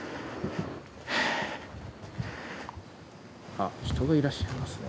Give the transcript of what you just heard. あっ人がいらっしゃいますね。